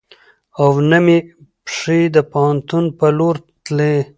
او نه مې پښې د پوهنتون په لور تلې .